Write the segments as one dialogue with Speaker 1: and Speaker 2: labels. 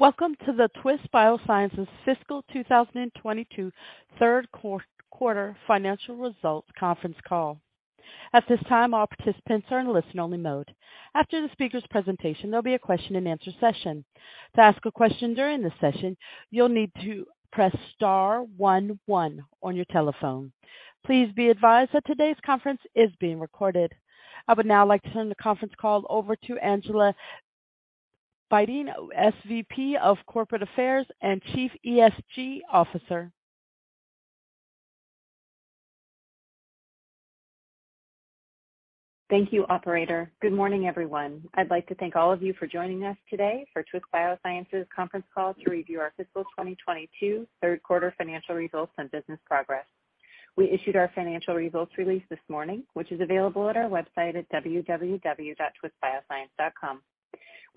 Speaker 1: Welcome to the Twist Bioscience's fiscal 2022 third quarter financial results conference call. At this time, all participants are in listen only mode. After the speaker's presentation, there'll be a question and answer session. To ask a question during the session, you'll need to press star one one on your telephone. Please be advised that today's conference is being recorded. I would now like to turn the conference call over to Angela Bitting, SVP of Corporate Affairs and Chief ESG Officer.
Speaker 2: Thank you, operator. Good morning, everyone. I'd like to thank all of you for joining us today for Twist Bioscience's conference call to review our fiscal 2022 third quarter financial results and business progress. We issued our financial results release this morning, which is available at our website at www.twistbioscience.com.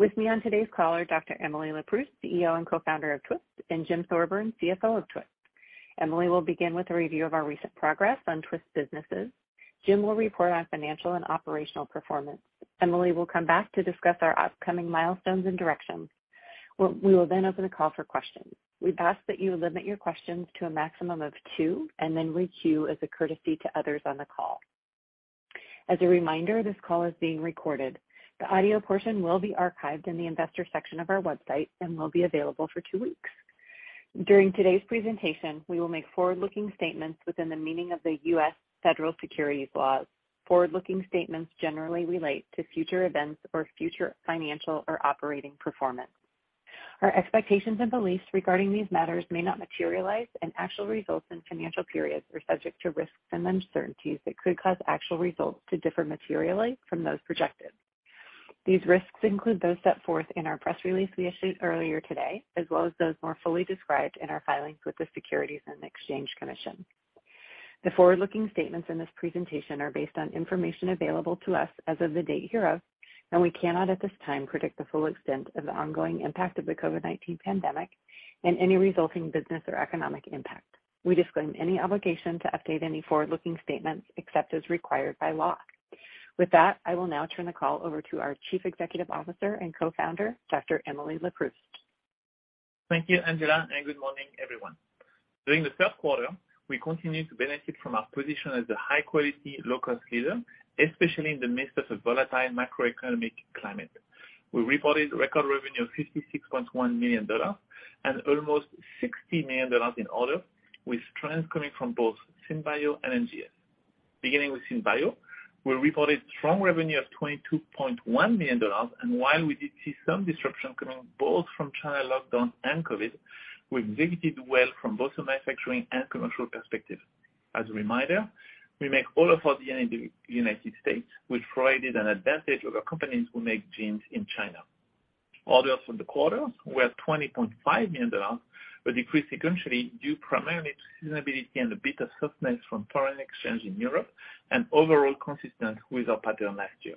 Speaker 2: With me on today's call is Dr. Emily Leproust, CEO and Co-founder of Twist, and Jim Thorburn, CFO of Twist. Emily will begin with a review of our recent progress on Twist businesses. Jim will report on financial and operational performance. Emily will come back to discuss our upcoming milestones and directions. We will then open the call for questions. We've asked that you limit your questions to a maximum of two, and then re-queue as a courtesy to others on the call. As a reminder, this call is being recorded. The audio portion will be archived in the investor section of our website and will be available for two weeks. During today's presentation, we will make forward-looking statements within the meaning of the U.S. Federal Securities laws. Forward-looking statements generally relate to future events or future financial or operating performance. Our expectations and beliefs regarding these matters may not materialize, and actual results and financial periods are subject to risks and uncertainties that could cause actual results to differ materially from those projected. These risks include those set forth in our press release we issued earlier today, as well as those more fully described in our filings with the Securities and Exchange Commission. The forward-looking statements in this presentation are based on information available to us as of the date hereof, and we cannot, at this time, predict the full extent of the ongoing impact of the COVID-19 pandemic and any resulting business or economic impact. We disclaim any obligation to update any forward-looking statements except as required by law. With that, I will now turn the call over to our Chief Executive Officer and Co-founder, Dr. Emily Leproust.
Speaker 3: Thank you, Angela, and good morning, everyone. During the third quarter, we continued to benefit from our position as a high quality, low cost leader, especially in the midst of a volatile macroeconomic climate. We reported record revenue of $56.1 million and almost $60 million in orders, with trends coming from both SynBio and NGS. Beginning with SynBio, we reported strong revenue of $22.1 million. While we did see some disruption coming both from China lockdown and COVID, we executed well from both a manufacturing and commercial perspective. As a reminder, we make all of our DNA in the United States, which provided an advantage over companies who make genes in China. Orders for the quarter were $20.5 million, a decrease sequentially due primarily to seasonality and a bit of softness from foreign exchange in Europe and overall consistent with our pattern last year.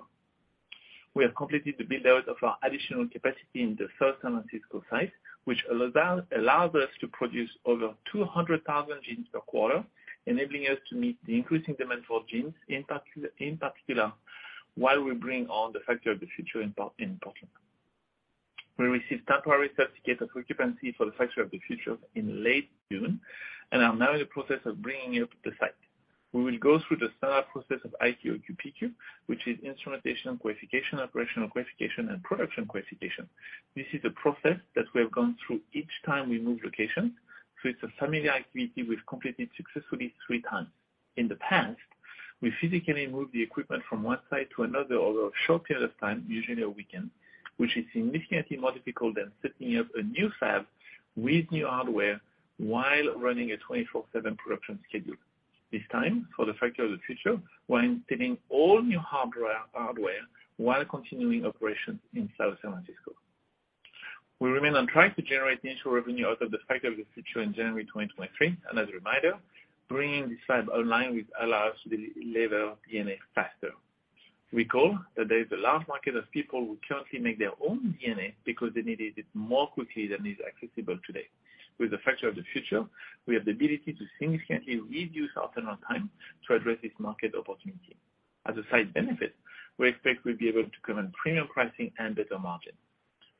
Speaker 3: We have completed the build-out of our additional capacity in the San Francisco site, which allows us to produce over 200,000 genes per quarter, enabling us to meet the increasing demand for genes, in particular, while we bring on the Factory of the Future in Portland. We received temporary certificate of occupancy for the Factory of the Future in late June and are now in the process of bringing up the site. We will go through the standard process of IQOQPQ, which is Instrumentation Qualification, Operational Qualification, and Production Qualification. This is a process that we have gone through each time we move locations, so it's a familiar activity we've completed successfully three times. In the past, we physically moved the equipment from one site to another over a short period of time, usually a weekend, which is significantly more difficult than setting up a new fab with new hardware while running a 24/7 production schedule. This time, for the Factory of the Future, we're installing all new hardware while continuing operations in South San Francisco. We remain on track to generate initial revenue out of the Factory of the Future in January 2023. As a reminder, bringing this lab online will allow us to deliver DNA faster. Recall that there is a large market of people who currently make their own DNA because they needed it more quickly than is accessible today. With the Factory of the Future, we have the ability to significantly reduce our turnaround time to address this market opportunity. As a side benefit, we expect we'll be able to command premium pricing and better margin.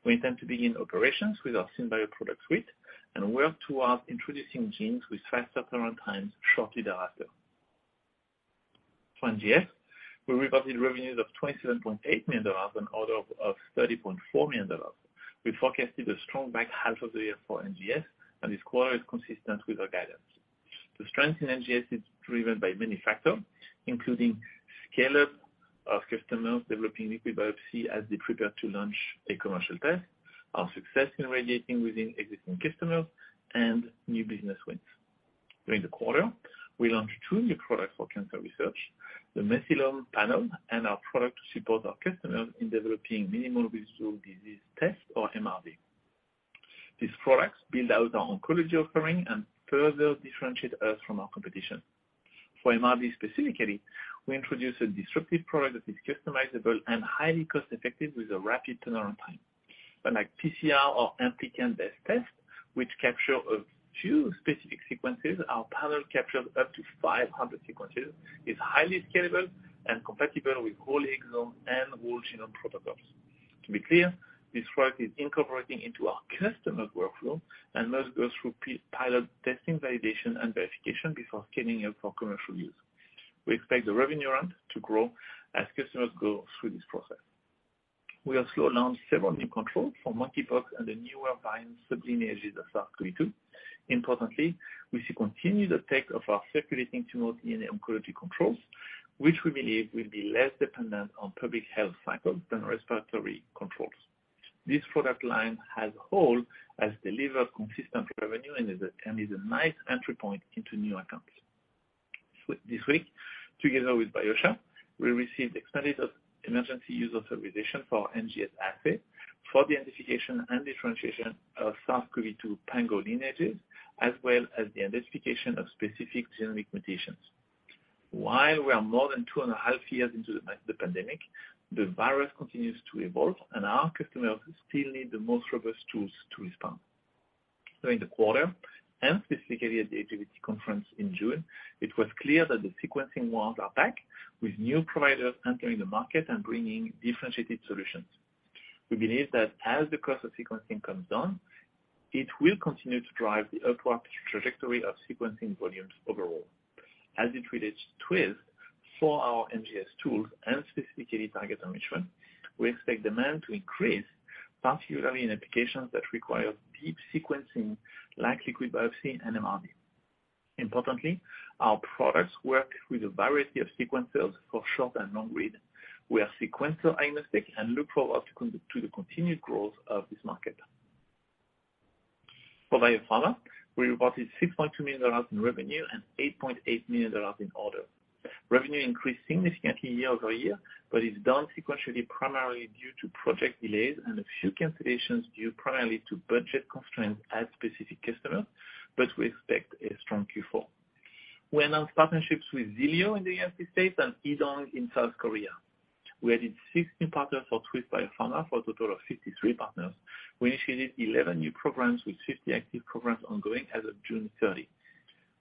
Speaker 3: We intend to begin operations with our SynBio product suite and work towards introducing genes with faster turnaround times shortly thereafter. For NGS, we reported revenues of $27.8 million and orders of $30.4 million. We forecasted a strong back half of the year for NGS, and this quarter is consistent with our guidance. The strength in NGS is driven by many factors, including scale-up of customers developing liquid biopsy as they prepare to launch a commercial test, our success in expanding within existing customers, and new business wins. During the quarter, we launched two new products for cancer research, the Mesothelioma panel and our product to support our customers in developing minimal residual disease test or MRD. These products build out our oncology offering and further differentiate us from our competition. For MRD specifically, we introduced a disruptive product that is customizable and highly cost effective with a rapid turnaround time. Unlike PCR or amplicon-based tests, which capture a few specific sequences. Our panel captures up to 500 sequences, is highly scalable and compatible with whole exome and whole genome protocols. To be clear, this work is incorporating into our customer workflow and must go through pilot testing, validation, and verification before scaling up for commercial use. We expect the revenue ramp to grow as customers go through this process. We have soft launched several new controls for monkeypox and the newer variants, sub-lineages of SARS-CoV-2. Importantly, we should continue the uptake of our circulating tumor DNA oncology controls, which we believe will be less dependent on public health cycles than respiratory controls. This product line as a whole has delivered consistent revenue and is a nice entry point into new accounts. This week, together with Biotia, we received expanded emergency use authorization for NGS assay for the identification and differentiation of SARS-CoV-2 Pango lineages, as well as the identification of specific genetic mutations. While we are more than 2.5 years into the pandemic, the virus continues to evolve, and our customers still need the most robust tools to respond. During the quarter and specifically at the ATCC conference in June, it was clear that the sequencing workflows are back, with new providers entering the market and bringing differentiated solutions. We believe that as the cost of sequencing comes down, it will continue to drive the upward trajectory of sequencing volumes overall. As it relates to Twist, for our NGS tools and specifically target enrichment, we expect demand to increase, particularly in applications that require deep sequencing like liquid biopsy and MRD. Importantly, our products work with a variety of sequencers for short and long read. We are sequencer-agnostic and look forward to the continued growth of this market. For Biopharma, we reported $6.2 million in revenue and $8.8 million in orders. Revenue increased significantly year-over-year, but is down sequentially primarily due to project delays and a few cancellations due primarily to budget constraints at specific customers, but we expect a strong Q4. We announced partnerships with Xilio in the United States and ILDONG in South Korea. We added six new partners for Twist Biopharma for a total of 53 partners. We initiated 11 new programs with 50 active programs ongoing as of June 30.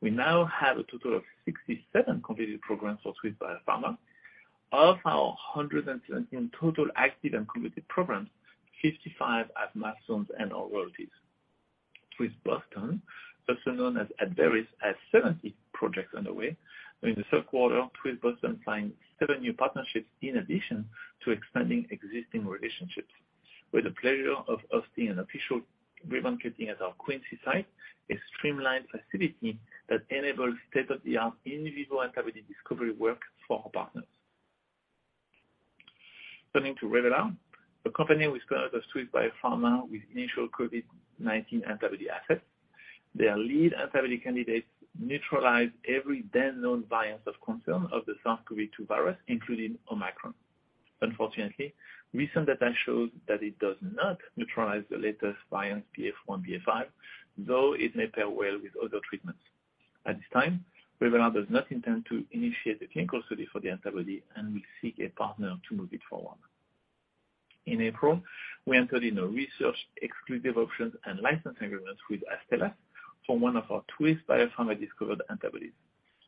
Speaker 3: We now have a total of 67 completed programs for Twist Biopharma. Of our 117 total active and completed programs, 55 have milestones and/or royalties. Twist Boston, also known as Abveris, has 70 projects underway. During the third quarter, Twist Boston signed seven new partnerships in addition to expanding existing relationships. With the pleasure of hosting an official ribbon cutting at our Quincy site, a streamlined facility that enables state-of-the-art individual antibody discovery work for our partners. Turning to Revelar, a company we spun out of Twist Biopharma with initial COVID-19 antibody assets. Their lead antibody candidates neutralize every then known variant of concern of the SARS-CoV-2 virus, including Omicron. Unfortunately, recent data shows that it does not neutralize the latest variant, BA.4/BA.5, though it may pair well with other treatments. At this time, Revelar does not intend to initiate a clinical study for the antibody and will seek a partner to move it forward. In April, we entered into research exclusive options and license agreements with Astellas for one of our Twist Biopharma-discovered antibodies.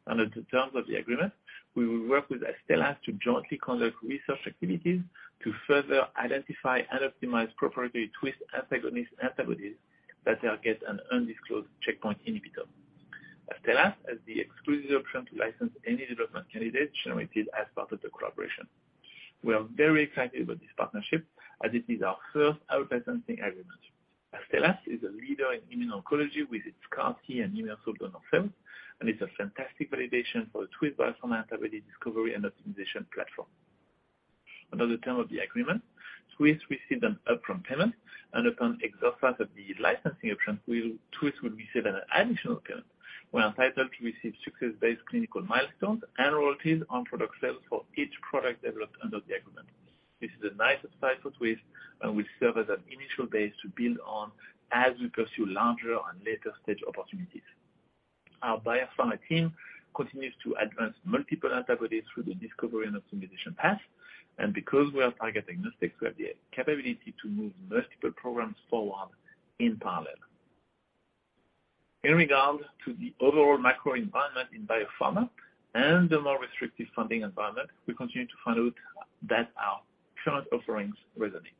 Speaker 3: Under the terms of the agreement, we will work with Astellas to jointly conduct research activities to further identify and optimize proprietary Twist antagonist antibodies that target an undisclosed checkpoint inhibitor. Astellas has the exclusive option to license any development candidates generated as part of the collaboration. We are very excited about this partnership as it is our first out-licensing agreement. Astellas is a leader in immuno-oncology with its Keytruda and enfortumab vedotin, and it's a fantastic validation for the Twist Biopharma antibody discovery and optimization platform. Under the term of the agreement, Twist received an upfront payment, and upon exercise of the licensing option, Twist will receive an additional payment. We are entitled to receive success-based clinical milestones and royalties on product sales for each product developed under the agreement. This is a nice start for Twist, and will serve as an initial base to build on as we pursue larger and later-stage opportunities. Our biopharma team continues to advance multiple antibodies through the discovery and optimization path. Because we are target-agnostic, we have the capability to move multiple programs forward in parallel. In regard to the overall macro environment in biopharma and the more restrictive funding environment, we continue to find out that our current offerings resonate.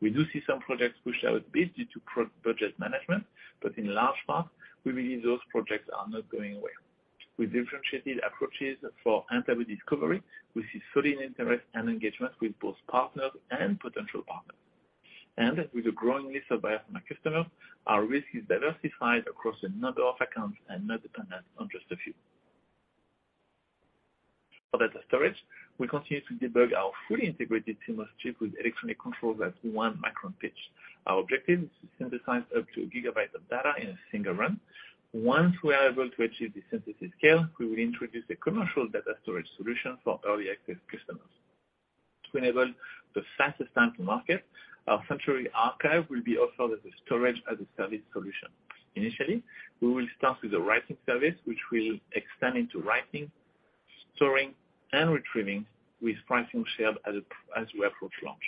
Speaker 3: We do see some projects pushed out a bit due to budget management, but in large part, we believe those projects are not going away. With differentiated approaches for antibody discovery, we see solid interest and engagement with both partners and potential partners. With a growing list of biopharma customers, our risk is diversified across a number of accounts and not dependent on just a few. For data storage, we continue to debug our fully integrated thermal chip with electronic controls at one micron pitch. Our objective is to synthesize up to a gigabyte of data in a single run. Once we are able to achieve the synthesis scale, we will introduce a commercial data storage solution for early access customers. To enable the fastest time to market, our Sanctuary archive will be offered as a storage-as-a-service solution. Initially, we will start with a writing service, which will extend into writing, storing and retrieving with pricing shared as we approach launch.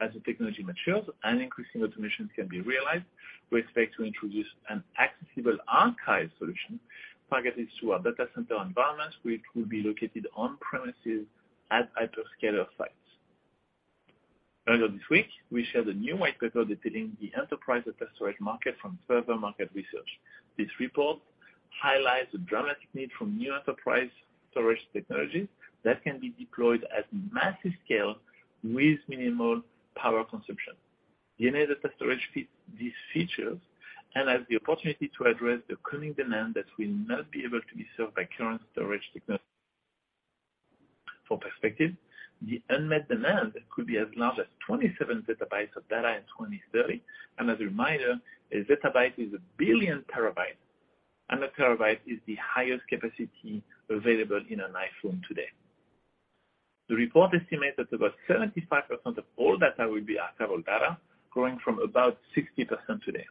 Speaker 3: As the technology matures and increasing automations can be realized, we expect to introduce an accessible archive solution targeted to our data center environments, which will be located on premises at hyperscaler sites. Earlier this week, we shared a new white paper detailing the enterprise data storage market from further market research. This report highlights the dramatic need for new enterprise storage technologies that can be deployed at massive scale with minimal power consumption. DNA data storage fits these features and has the opportunity to address the coming demand that will not be able to be served by current storage technology. For perspective, the unmet demand could be as large as 27 ZB of data in 2030. As a reminder, a zettabyte is 1 billion TB. A terabyte is the highest capacity available in an iPhone today. The report estimates that about 75% of all data will be archival data, growing from about 60% today.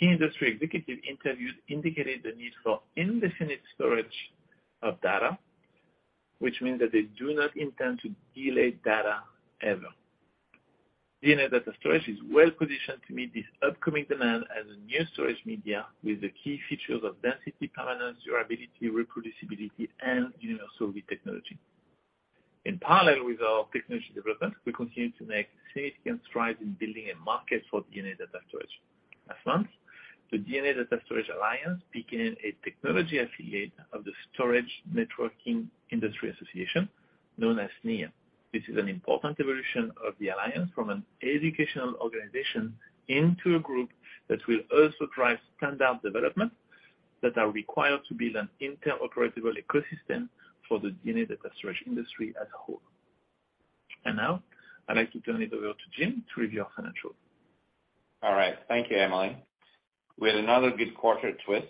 Speaker 3: Key industry executive interviews indicated the need for indefinite storage of data, which means that they do not intend to delete data ever. DNA data storage is well positioned to meet this upcoming demand as a new storage media with the key features of density, permanence, durability, reproducibility, and universal read technology. In parallel with our technology development, we continue to make significant strides in building a market for DNA data storage. Last month, the DNA Data Storage Alliance became a technology affiliate of the Storage Networking Industry Association, known as SNIA. This is an important evolution of the alliance from an educational organization into a group that will also drive standard development that are required to build an interoperable ecosystem for the DNA data storage industry as a whole. Now, I'd like to turn it over to Jim to review our financials.
Speaker 4: All right. Thank you, Emily. We had another good quarter at Twist.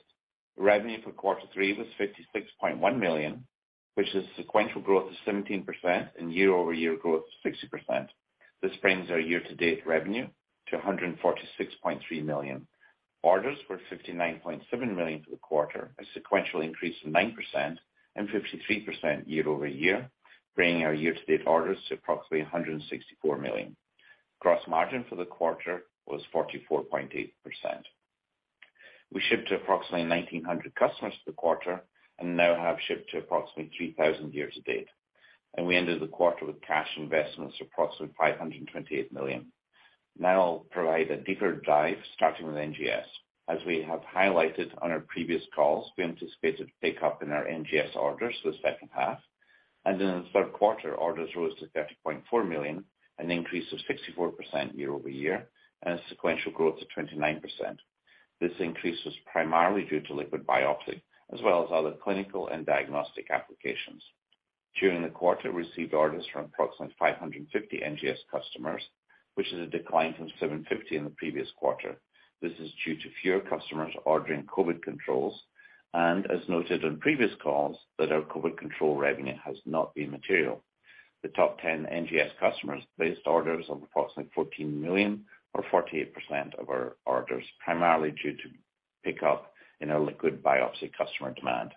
Speaker 4: Revenue for quarter three was $56.1 million, which is sequential growth of 17% and year-over-year growth of 60%. This brings our year-to-date revenue to $146.3 million. Orders were $59.7 million for the quarter, a sequential increase of 9% and 53% year-over-year, bringing our year-to-date orders to approximately $164 million. Gross margin for the quarter was 44.8%. We shipped to approximately 1,900 customers for the quarter and now have shipped to approximately 3,000 year to date. We ended the quarter with cash investments of approximately $528 million. Now I'll provide a deeper dive, starting with NGS. As we have highlighted on our previous calls, we anticipated a pickup in our NGS orders for the second half, and in the third quarter, orders rose to $30.4 million, an increase of 64% year-over-year and a sequential growth of 29%. This increase was primarily due to liquid biopsy as well as other clinical and diagnostic applications. During the quarter, we received orders from approximately 550 NGS customers, which is a decline from 750 in the previous quarter. This is due to fewer customers ordering COVID controls and, as noted on previous calls, that our COVID control revenue has not been material. The top 10 NGS customers placed orders of approximately $14 million or 48% of our orders, primarily due to pickup in our liquid biopsy customer demand.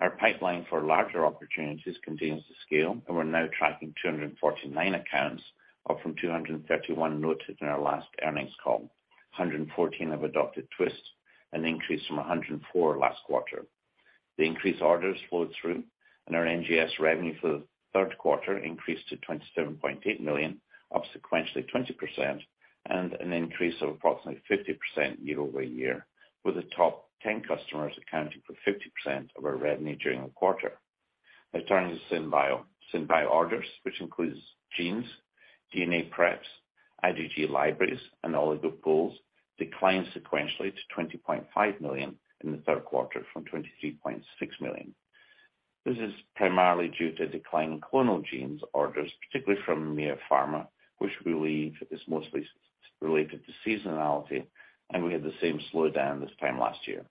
Speaker 4: Our pipeline for larger opportunities continues to scale, and we're now tracking 249 accounts up from 231 noted in our last earnings call. 114 have adopted Twist, an increase from 104 last quarter. The increased orders flowed through, and our NGS revenue for the third quarter increased to $27.8 million, up sequentially 20% and an increase of approximately 50% year over year, with the top ten customers accounting for 50% of our revenue during the quarter. Now turning to SynBio. SynBio orders, which includes genes, DNA preps, IgG libraries, and Oligo Pools, declined sequentially to $20.5 million in the third quarter from $23.6 million. This is primarily due to a decline in clonal genes orders, particularly from big pharma, which we believe is mostly related to seasonality, and we had the same slowdown this time last year.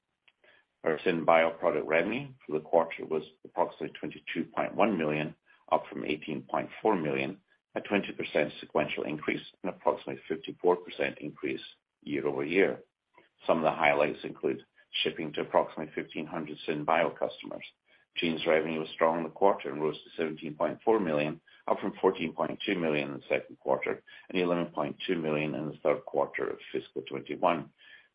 Speaker 4: Our SynBio product revenue for the quarter was approximately $22.1 million, up from $18.4 million, a 20% sequential increase and approximately 54% increase year-over-year. Some of the highlights include shipping to approximately 1,500 SynBio customers. Genes revenue was strong in the quarter and rose to $17.4 million, up from $14.2 million in the second quarter and $11.2 million in the third quarter of fiscal 2021.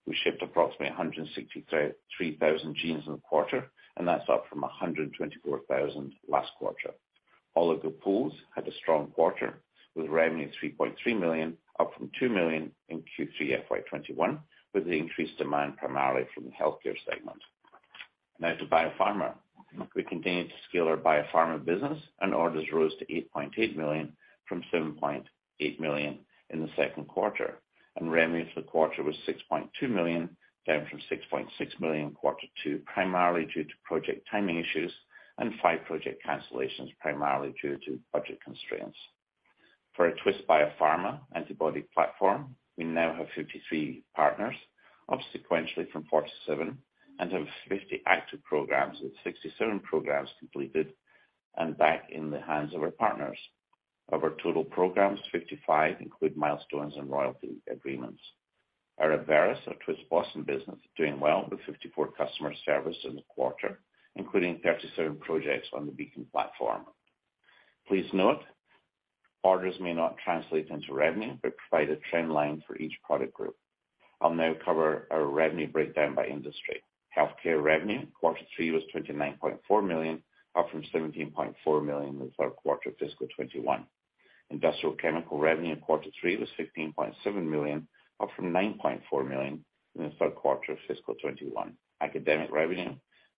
Speaker 4: We shipped approximately 163,000 genes in the quarter, and that's up from 124,000 last quarter. Oligo Pools had a strong quarter, with revenue of $3.3 million, up from $2 million in Q3 FY 2021, with the increased demand primarily from the healthcare segment. Now to Biopharma. We continue to scale our Biopharma business, and orders rose to $8.8 million, from $7.8 million in the second quarter. Revenue for the quarter was $6.2 million, down from $6.6 million in quarter two, primarily due to project timing issues and five project cancellations, primarily due to budget constraints. For our Twist Biopharma antibody platform, we now have 53 partners, up sequentially from 47, and have 50 active programs with 67 programs completed and back in the hands of our partners. Of our total programs, 55 include milestones and royalty agreements. Our Abveris, our Twist Boston business, is doing well with 54 customer services in the quarter, including 37 projects on the Beacon platform. Please note, orders may not translate into revenue, but provide a trend line for each product group. I'll now cover our revenue breakdown by industry. Healthcare revenue in quarter three was $29.4 million, up from $17.4 million in the third quarter of fiscal 2021. Industrial chemical revenue in quarter three was $15.7 million, up from $9.4 million in the third quarter of fiscal 2021. Academic revenue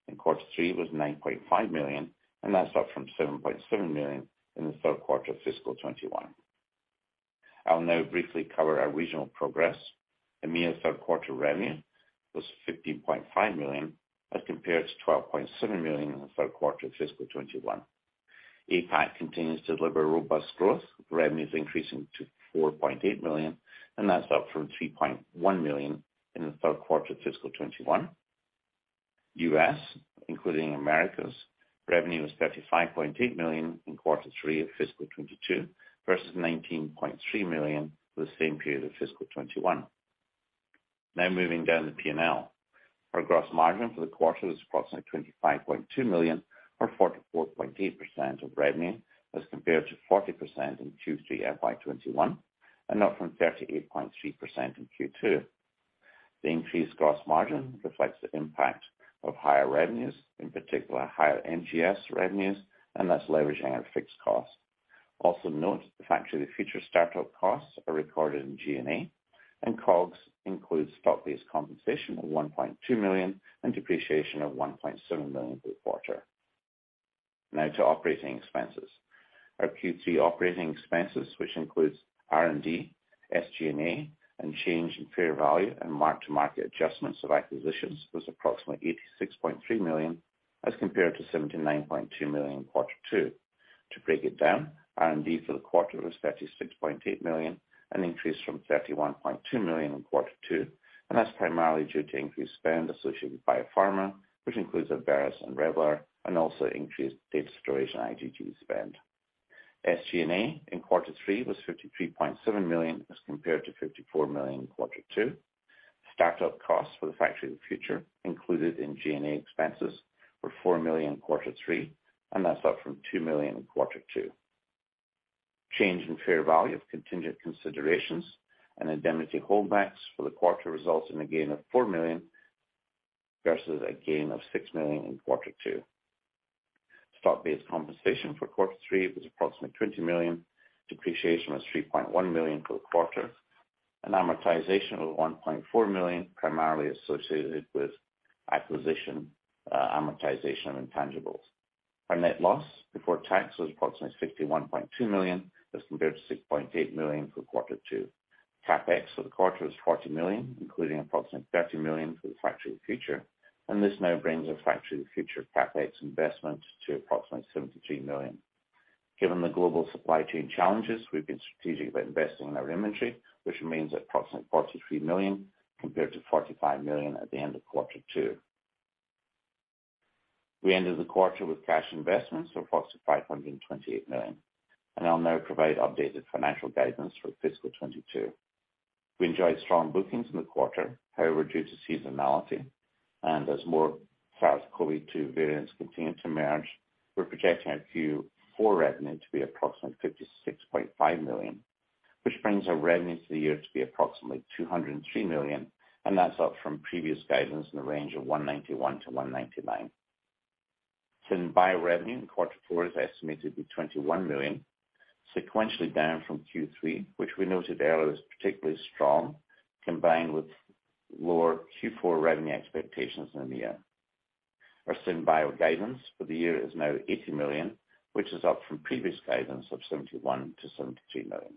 Speaker 4: in quarter three was $9.5 million, and that's up from $7.7 million in the third quarter of fiscal 2021. I'll now briefly cover our regional progress. EMEA third quarter revenue was $15.5 million as compared to $12.7 million in the third quarter of fiscal 2021. APAC continues to deliver robust growth, revenues increasing to $4.8 million, and that's up from $3.1 million in the third quarter of fiscal 2021. U.S., including Americas, revenue was $35.8 million in quarter three of fiscal 2022 versus $19.3 million for the same period of fiscal 2021. Now moving down the P&L. Our gross margin for the quarter was approximately $25.2 million or 44.8% of revenue as compared to 40% in Q3 FY 2021 and up from 38.3% in Q2. The increased gross margin reflects the impact of higher revenues, in particular higher NGS revenues, and thus leveraging our fixed cost. Also note, the Factory of the Future startup costs are recorded in G&A, and COGS includes stock-based compensation of $1.2 million and depreciation of $1.7 million for the quarter. Now to operating expenses. Our Q3 operating expenses, which includes R&D, SG&A, and change in fair value and mark-to-market adjustments of acquisitions, was approximately $86.3 million as compared to $79.2 million in quarter two. To break it down, R&D for the quarter was $36.8 million, an increase from $31.2 million in quarter two, and that's primarily due to increased spend associated with Biopharma, which includes Abveris and Revelar, and also increased data storage and NGS spend. SG&A in quarter three was $53.7 million as compared to $54 million in quarter two. Startup costs for the Factory of the Future included in G&A expenses were $4 million in quarter three, and that's up from $2 million in quarter two. Change in fair value of contingent considerations and indemnity holdbacks for the quarter results in a gain of $4 million versus a gain of $6 million in quarter two. Stock-based compensation for quarter three was approximately $20 million. Depreciation was $3.1 million for the quarter. Amortization was $1.4 million, primarily associated with acquisition, amortization and intangibles. Our net loss before tax was approximately $51.2 million as compared to $6.8 million for quarter two. CapEx for the quarter was $40 million, including approximately $30 million for the Factory of the Future. This now brings our Factory of the Future CapEx investment to approximately $73 million. Given the global supply chain challenges, we've been strategic about investing in our inventory, which remains at approximately $43 million compared to $45 million at the end of quarter two. We ended the quarter with cash investments of approximately $528 million, and I'll now provide updated financial guidance for fiscal 2022. We enjoyed strong bookings in the quarter. However, due to seasonality and as more SARS-CoV-2 variants continue to emerge, we're projecting our Q4 revenue to be approximately $56.5 million, which brings our revenues for the year to be approximately $203 million, and that's up from previous guidance in the range of $191 million-$199 million. SynBio revenue in quarter four is estimated to be $21 million, sequentially down from Q3, which we noted earlier was particularly strong, combined with lower Q4 revenue expectations in EMEA. Our SynBio guidance for the year is now $80 million, which is up from previous guidance of $71 million-$73 million.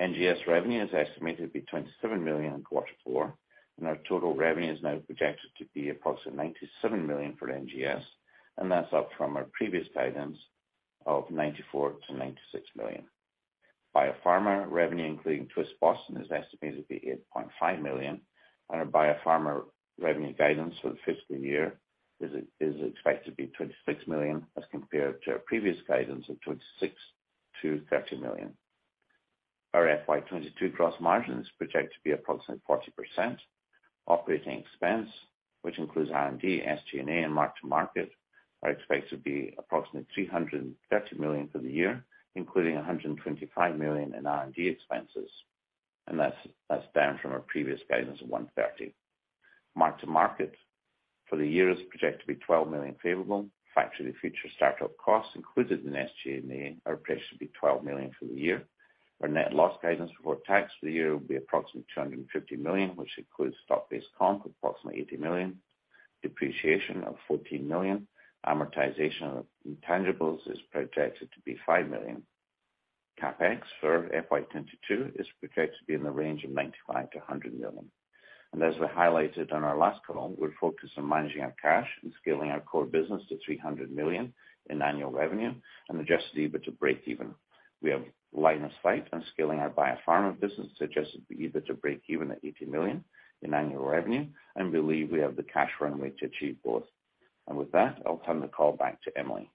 Speaker 4: NGS revenue is estimated to be $27 million in quarter four, and our total revenue is now projected to be approximately $97 million for NGS, and that's up from our previous guidance of $94 million-$96 million. Biopharma revenue, including Twist Boston, is estimated to be $8.5 million, and our Biopharma revenue guidance for the fiscal year is expected to be $26 million as compared to our previous guidance of $26 million-$30 million. Our FY 2022 gross margin is projected to be approximately 40%. Operating expense, which includes R&D, SG&A, and mark-to-market, are expected to be approximately $330 million for the year, including $125 million in R&D expenses. That's down from our previous guidance of $130 million. Mark-to-market for the year is projected to be $12 million favorable. Factory of the Future startup costs included in SG&A are projected to be $12 million for the year. Our net loss guidance for the year will be approximately $250 million, which includes stock-based comp of approximately $80 million, depreciation of $14 million. Amortization of intangibles is projected to be $5 million. CapEx for FY 2022 is projected to be in the range of $95 million-$100 million. As we highlighted on our last call, we're focused on managing our cash and scaling our core business to $300 million in annual revenue and adjusted EBITDA to break even. We have line of sight on scaling our Biopharma business to adjusted EBITDA breakeven at $80 million in annual revenue and believe we have the cash runway to achieve both. With that, I'll turn the call back to Emily.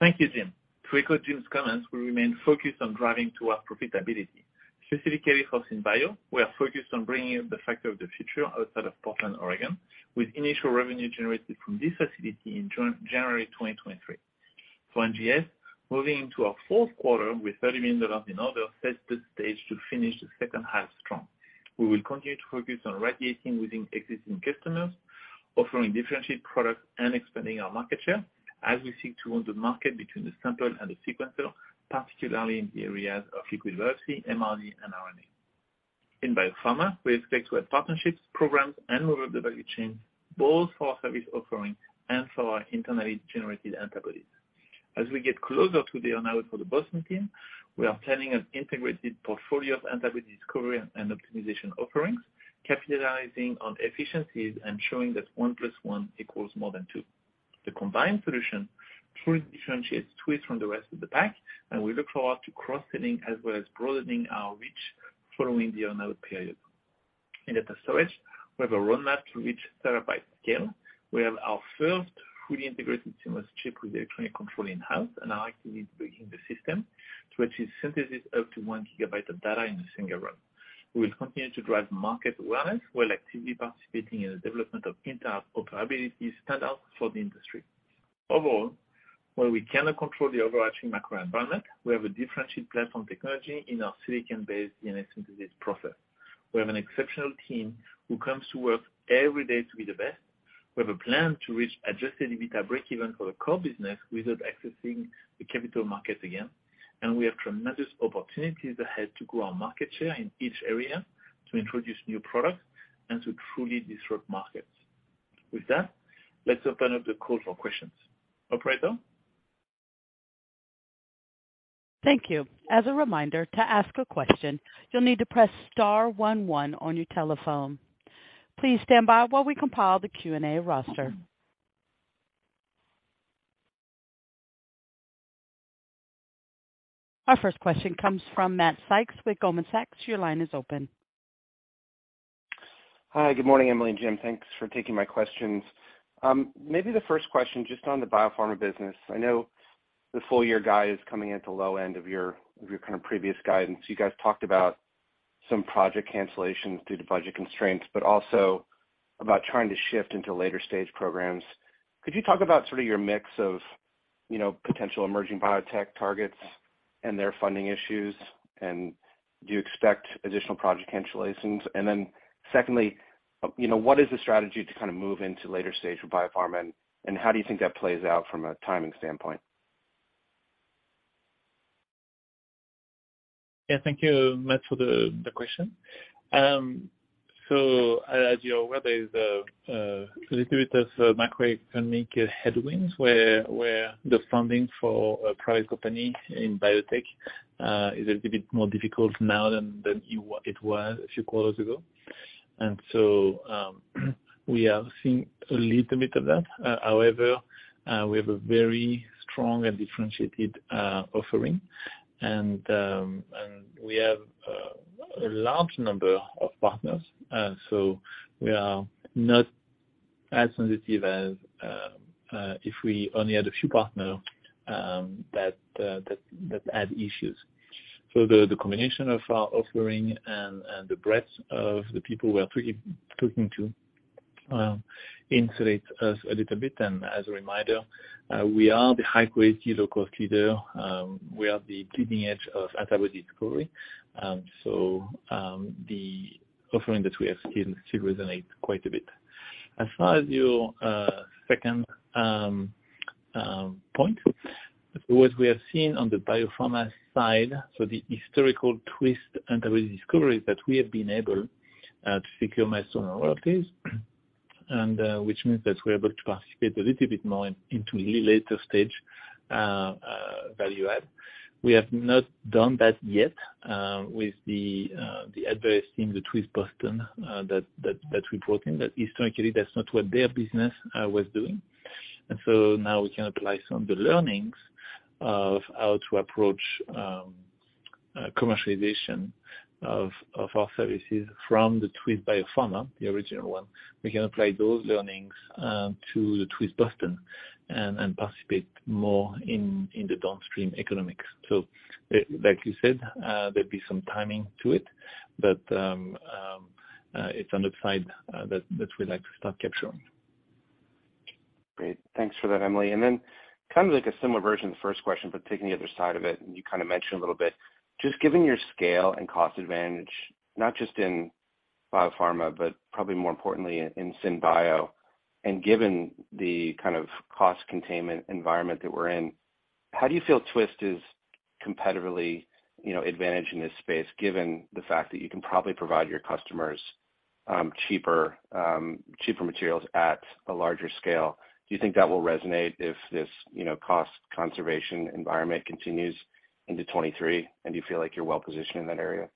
Speaker 3: Thank you, Jim. To echo Jim's comments, we remain focused on driving toward profitability. Specifically for SynBio, we are focused on bringing in the Factory of the Future outside of Portland, Oregon, with initial revenue generated from this facility in January 2023. For NGS, moving into our fourth quarter with $30 million in orders sets the stage to finish the second half strong. We will continue to focus on penetrating within existing customers, offering differentiated products and expanding our market share as we seek to own the market between the sample and the sequencer, particularly in the areas of liquid biopsy, MRD, and RNA. In Biopharma, we expect to have partnerships, programs, and move up the value chain both for our service offerings and for our internally generated antibodies. As we get closer to the earn-out for the Boston team, we are planning an integrated portfolio of antibody discovery and optimization offerings, capitalizing on efficiencies and showing that one plus one equals more than two. The combined solution truly differentiates Twist from the rest of the pack, and we look forward to cross-selling as well as broadening our reach following the earn-out period. In data storage, we have a roadmap to reach terabyte scale. We have our first fully integrated CMOS chip with electronic control in-house and are actively building the system to achieve synthesis up to 1 GB of data in a single run. We will continue to drive market awareness while actively participating in the development of interoperability standards for the industry. Overall, while we cannot control the overarching macro environment, we have a differentiated platform technology in our silicon-based DNA synthesis process. We have an exceptional team who comes to work every day to be the best. We have a plan to reach adjusted EBITDA breakeven for the core business without accessing the capital markets again, and we have tremendous opportunities ahead to grow our market share in each area to introduce new products and to truly disrupt markets. With that, let's open up the call for questions. Operator?
Speaker 1: Thank you. As a reminder, to ask a question, you'll need to press star one one on your telephone. Please stand by while we compile the Q&A roster. Our first question comes from Matt Sykes with Goldman Sachs. Your line is open.
Speaker 5: Hi, good morning, Emily and Jim. Thanks for taking my questions. Maybe the first question just on the Biopharma business. I know the full year guide is coming at the low end of your kind of previous guidance. You guys talked about some project cancellations due to budget constraints, but also about trying to shift into later stage programs. Could you talk about sort of your mix of, you know, potential emerging biotech targets and their funding issues, and do you expect additional project cancellations? Secondly, you know, what is the strategy to kind of move into later stage for Biopharma, and how do you think that plays out from a timing standpoint?
Speaker 3: Yeah, thank you, Matt, for the question. As you're aware, there's a little bit of macroeconomic headwinds where the funding for a private company in biotech is a little bit more difficult now than it was a few quarters ago. We have seen a little bit of that. However, we have a very strong and differentiated offering. We have a large number of partners. We are not as sensitive as if we only had a few partners that had issues. The combination of our offering and the breadth of the people we are talking to insulates us a little bit. As a reminder, we are the high-quality, low-cost leader. We are the leading edge of antibody discovery. The offering that we have still resonates quite a bit. As far as your second point, what we have seen on the biopharma side, the historical Twist antibody discovery is that we have been able to secure milestone royalties, which means that we're able to participate a little bit more into a little later stage value add. We have not done that yet with the Abveris team, the Twist Boston that we brought in. Historically, that's not what their business was doing. Now we can apply some of the learnings of how to approach commercialization of our services from the Twist Biopharma, the original one. We can apply those learnings to the Twist Boston and participate more in the downstream economics. Like you said, there'd be some timing to it, but it's on the side that we'd like to start capturing.
Speaker 5: Great. Thanks for that, Emily. Kind of like a similar version of the first question, but taking the other side of it, and you kind of mentioned a little bit. Just given your scale and cost advantage, not just in biopharma, but probably more importantly in SynBio, and given the kind of cost containment environment that we're in, how do you feel Twist is competitively, you know, advantaged in this space, given the fact that you can probably provide your customers cheaper materials at a larger scale? Do you think that will resonate if this, you know, cost containment environment continues into 2023, and do you feel like you're well positioned in that area?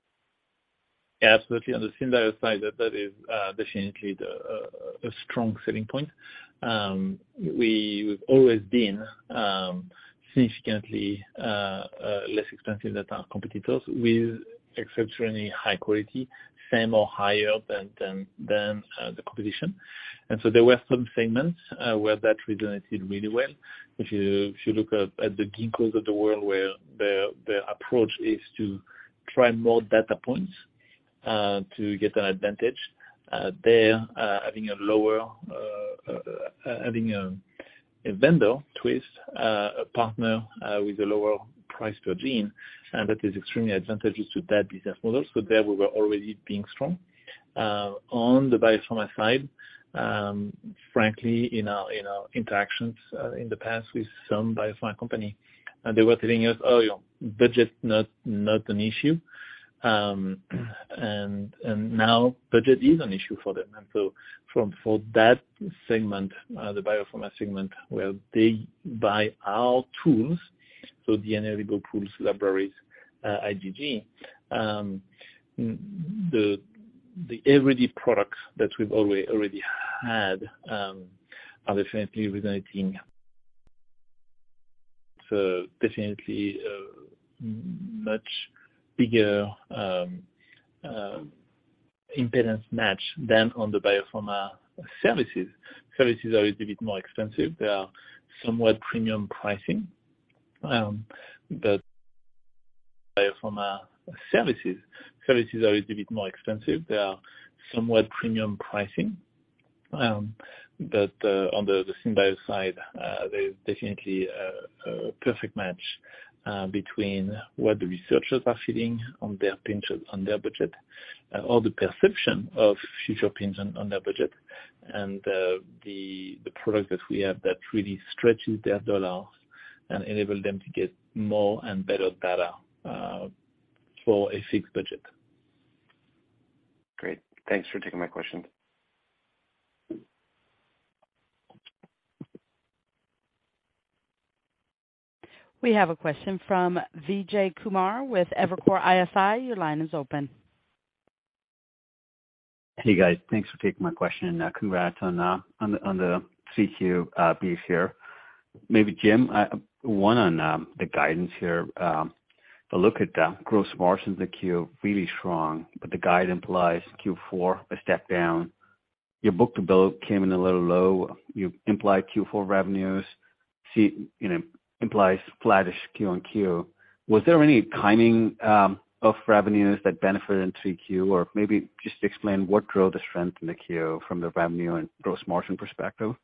Speaker 3: Absolutely. On the SynBio side, that is definitely a strong selling point. We've always been significantly less expensive than our competitors with exceptionally high quality, same or higher than the competition. There were some segments where that resonated really well. If you look at the Ginkgo Bioworks of the world where their approach is to try more data points to get an advantage, they're having a vendor, Twist, a partner with a lower price per gene, and that is extremely advantageous to that business model. There we were already being strong. On the Biopharma side, frankly in our interactions in the past with some biopharma company, they were telling us, "Oh, you know, budget not an issue." Now budget is an issue for them. For that segment, the biopharma segment where they buy our tools, so DNA library tools, libraries, IgG, the MRD products that we've already had, are essentially resonating. Definitely a much bigger impedance match than on the biopharma services. Services are always a bit more expensive. They are somewhat premium pricing. on the SynBio side, there's definitely a perfect match between what the researchers are feeling on their pinches on their budget, or the perception of future pinches on their budget and the product that we have that really stretches their dollar and enable them to get more and better data for a fixed budget.
Speaker 5: Great. Thanks for taking my question.
Speaker 1: We have a question from Vijay Kumar with Evercore ISI. Your line is open.
Speaker 6: Hey, guys. Thanks for taking my question. Congrats on the 3Q brief here. Maybe Jim, one on the guidance here. A look at the gross margins in 3Q, really strong, but the guide implies Q4 a step down. Your book-to-bill came in a little low. You implied Q4 revenues, see, you know, implies flattish Q-on-Q. Was there any timing of revenues that benefited in 3Q? Or maybe just explain what drove the strength in 3Q from the revenue and gross margin perspective.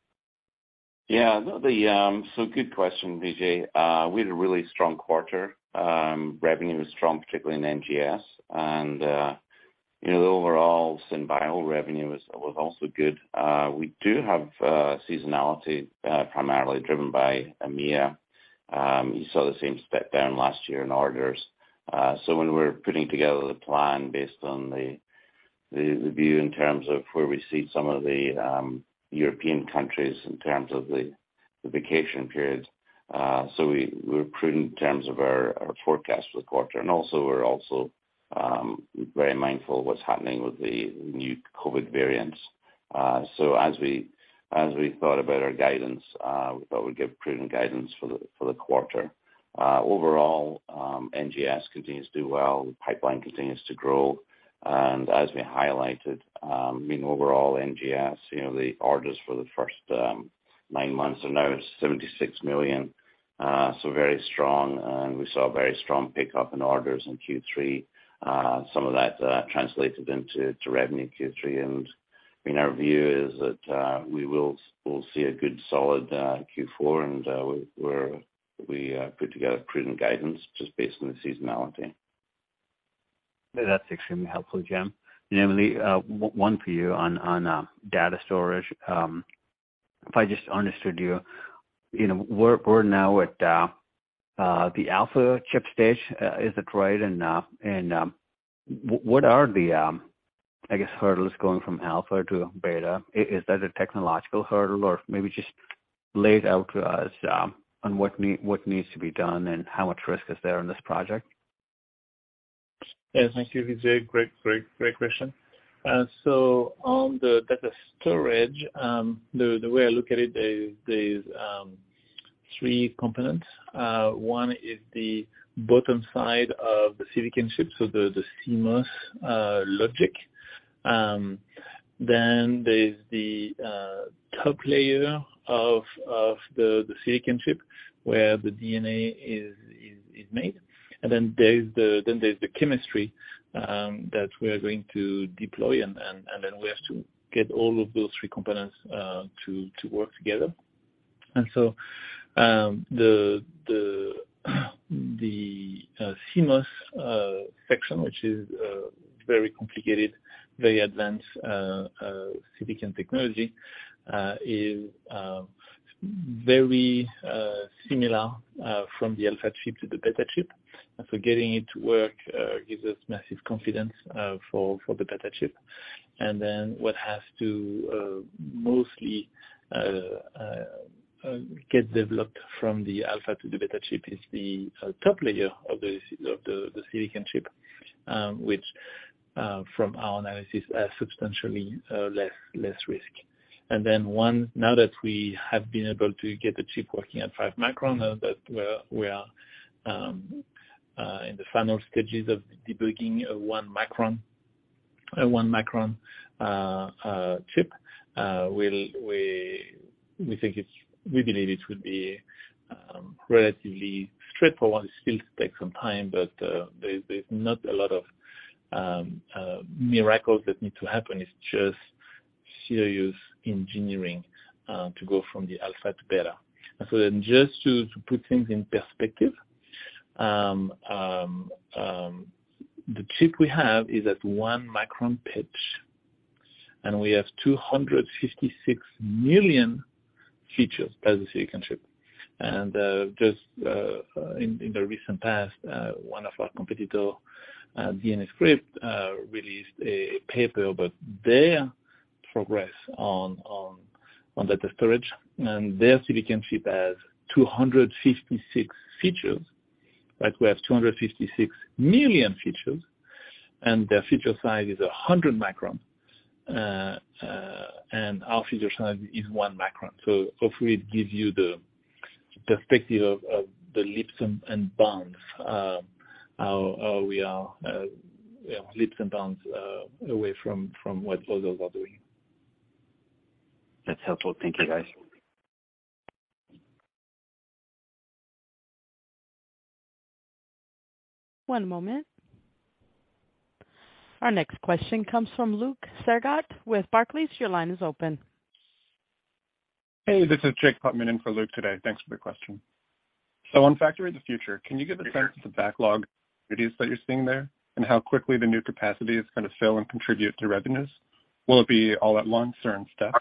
Speaker 4: Good question, Vijay. We had a really strong quarter. Revenue was strong, particularly in NGS, and you know, overall SynBio revenue was also good. We do have seasonality, primarily driven by EMEA. You saw the same step down last year in orders. So when we're putting together the plan based on the view in terms of where we see some of the European countries in terms of the vacation period, so we're prudent in terms of our forecast for the quarter. We're very mindful of what's happening with the new COVID variants. So as we thought about our guidance, we thought we'd give prudent guidance for the quarter. Overall, NGS continues to do well. The pipeline continues to grow. As we highlighted, I mean overall NGS, you know, the orders for the first nine months are now $76 million, so very strong. We saw a very strong pickup in orders in Q3. Some of that translated into revenue in Q3. I mean, our view is that we'll see a good solid Q4, and we put together a prudent guidance just based on the seasonality.
Speaker 6: That's extremely helpful, Jim. Emily, one for you on data storage. If I just understood you know, we're now at the alpha chip stage, is that right? What are the hurdles, I guess, going from alpha to beta? Is that a technological hurdle, or maybe just lay it out to us, on what needs to be done and how much risk is there on this project?
Speaker 3: Yes. Thank you, Vijay. Great question. On the data storage, the way I look at it, there's three components. One is the bottom side of the silicon chip, so the CMOS logic. Then there's the top layer of the silicon chip where the DNA is made. Then there's the chemistry that we are going to deploy and then we have to get all of those three components to work together. The CMOS section, which is very complicated, very advanced silicon technology, is very similar from the alpha chip to the beta chip. Getting it to work gives us massive confidence for the beta chip. What has to mostly get developed from the alpha to the beta chip is the top layer of the silicon chip, which from our analysis has substantially less risk. Now that we have been able to get the chip working at 5 micron, we are in the final stages of debugging a 1 micron chip, we believe it will be relatively straightforward. It still takes some time, but there's not a lot of miracles that need to happen. It's just serious engineering to go from the alpha to beta. Just to put things in perspective, the chip we have is at 1 micron pitch, and we have 256 million features as a silicon chip. Just in the recent past, one of our competitor, DNA Script, released a paper about their progress on data storage, and their silicon chip has 256 features, but we have 256 million features, and their feature size is 100 micron. And our feature size is 1 micron. Hopefully it gives you the perspective of the leaps and bounds how we are you know leaps and bounds away from what others are doing.
Speaker 6: That's helpful. Thank you, guys.
Speaker 1: One moment. Our next question comes from Luke Sergott with Barclays. Your line is open.
Speaker 7: Hey, this is Jacob Putman in for Luke today. Thanks for the question. On Factory of the Future, can you give a sense of the backlog that you're seeing there and how quickly the new capacity is gonna fill and contribute to revenues? Will it be all at once or in steps?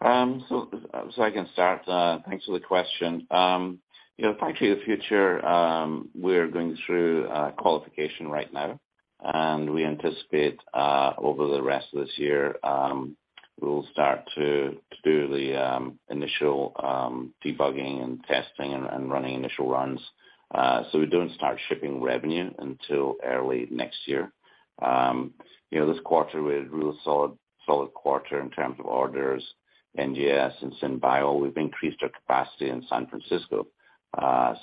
Speaker 3: I can start. Thanks for the question. You know, Factory of the Future, we're going through qualification right now, and we anticipate over the rest of this year, we'll start to do the initial debugging and testing and running initial runs. We don't start shipping revenue until early next year. You know, this quarter we had a really solid quarter in terms of orders, NGS and SynBio. We've increased our capacity in San Francisco.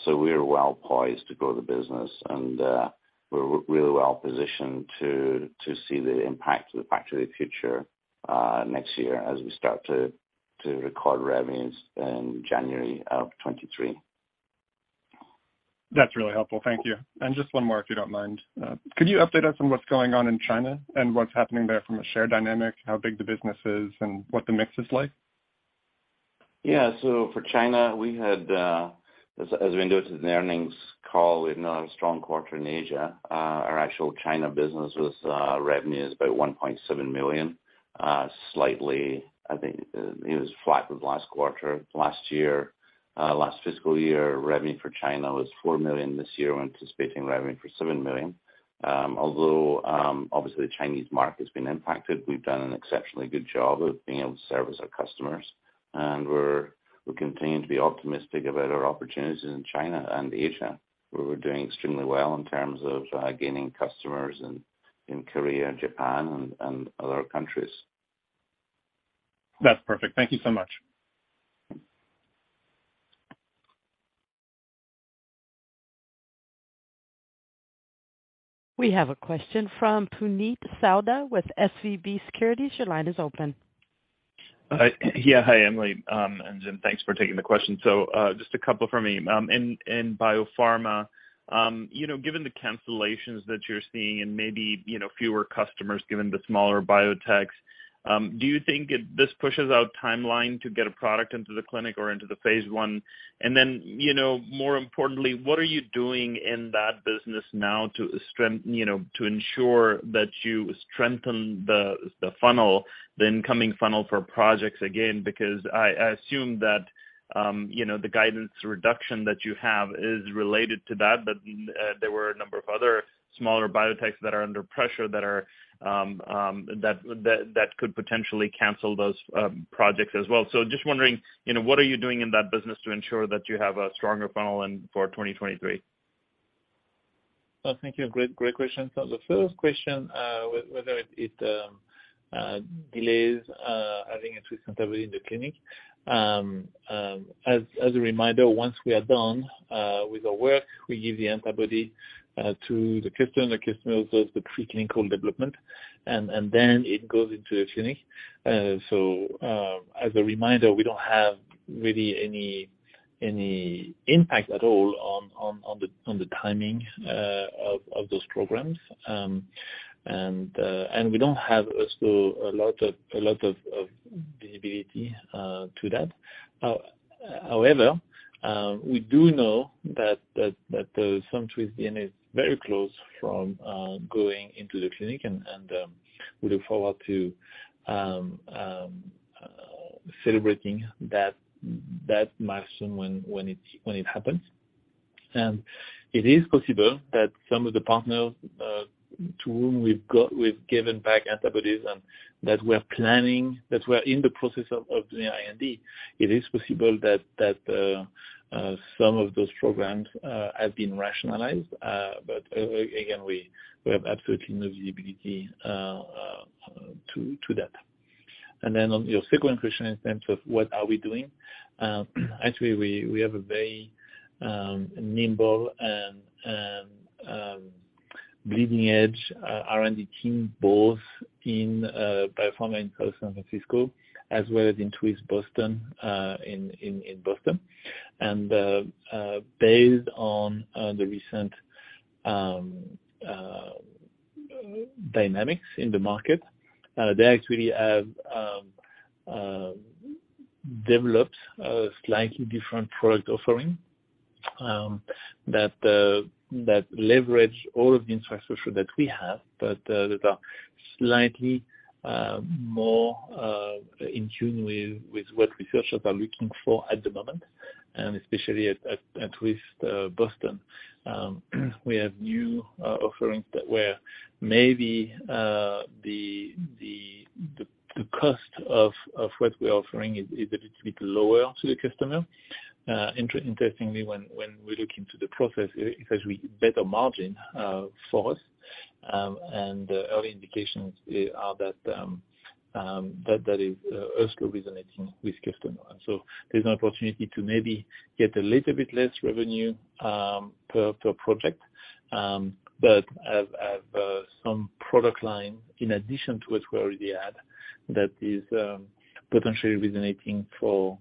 Speaker 3: We're well poised to grow the business and we're really well positioned to see the impact of the Factory of the Future next year as we start to record revenues in January 2023.
Speaker 7: That's really helpful. Thank you. Just one more, if you don't mind. Could you update us on what's going on in China and what's happening there from a share dynamic, how big the business is and what the mix is like?
Speaker 3: Yeah. For China, we had, as we indicated in the earnings call, we had another strong quarter in Asia. Our actual China business revenue is about $1.7 million, slightly, I think, it was flat with last quarter. Last year, last fiscal year, revenue for China was $4 million. This year we're anticipating revenue for $7 million. Although, obviously the Chinese market has been impacted, we've done an exceptionally good job of being able to service our customers. We're continuing to be optimistic about our opportunities in China and Asia, where we're doing extremely well in terms of gaining customers in Korea and Japan and other countries.
Speaker 7: That's perfect. Thank you so much.
Speaker 1: We have a question from Puneet Souda with SVB Securities. Your line is open.
Speaker 8: Hi, Emily, and Jim, thanks for taking the question. Just a couple from me. In biopharma, you know, given the cancellations that you're seeing and maybe, you know, fewer customers given the smaller biotechs, do you think this pushes out timeline to get a product into the clinic or into the phase one? You know, more importantly, what are you doing in that business now to ensure that you strengthen the funnel, the incoming funnel for projects again? Because I assume that, you know, the guidance reduction that you have is related to that, but there were a number of other smaller biotechs that are under pressure that could potentially cancel those projects as well. Just wondering, you know, what are you doing in that business to ensure that you have a stronger funnel for 2023?
Speaker 3: Well, thank you. Great question. The first question, whether it delays having a Twist antibody in the clinic. As a reminder, once we are done with our work, we give the antibody to the customer. The customer does the preclinical development, and then it goes into the clinic. As a reminder, we don't have really any impact at all on the timing of those programs. We don't have also a lot of visibility to that. However, we do know that some Twist DNA is very close to going into the clinic and we look forward to celebrating that milestone when it happens. It is possible that some of the partners to whom we've given back antibodies and that we're planning, that we're in the process of the IND, it is possible that some of those programs have been rationalized. Again, we have absolutely no visibility to that. On your second question in terms of what are we doing, actually, we have a very nimble and leading edge R&D team, both in biopharma in San Francisco as well as in Twist Boston in Boston. Based on the recent dynamics in the market, they actually have developed a slightly different product offering that leverage all of the infrastructure that we have, but that are slightly more in tune with what researchers are looking for at the moment. Especially at Twist Boston, we have new offerings that where maybe the cost of what we're offering is a little bit lower to the customer. Interestingly, when we look into the process, it has a better margin for us. Early indications are that that is also resonating with customer. There's an opportunity to maybe get a little bit less revenue per project, but have some product line in addition to what we already had that is potentially resonating for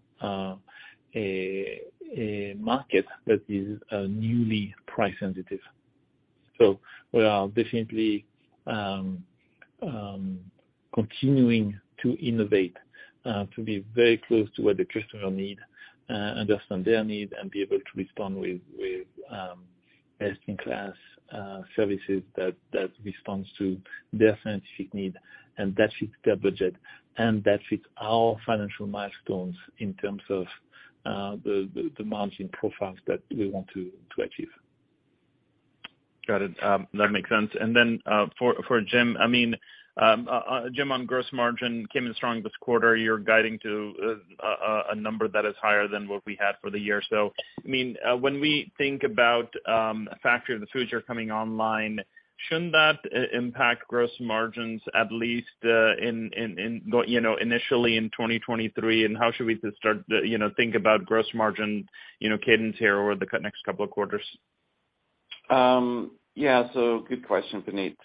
Speaker 3: a market that is newly price sensitive. We are definitely continuing to innovate to be very close to what the customer need, understand their need and be able to respond with best-in-class services that responds to their scientific need and that fits their budget and that fits our financial milestones in terms of the margin profiles that we want to achieve.
Speaker 8: Got it. That makes sense. For Jim, I mean, on gross margin came in strong this quarter. You're guiding to a number that is higher than what we had for the year. I mean, when we think about a Factory of the Future you're coming online, shouldn't that impact gross margins at least, you know, initially in 2023, and how should we start, you know, think about gross margin, you know, cadence here over the next couple of quarters?
Speaker 4: Yeah. Good question, Puneet.